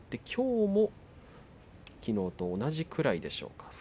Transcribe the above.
きょうも、きのうと同じくらいでしょうか。